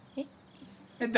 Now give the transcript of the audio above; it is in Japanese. えっ？